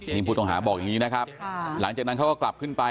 นี่ผู้ต้องหาบอกอย่างนี้นะครับหลังจากนั้นเขาก็กลับขึ้นไป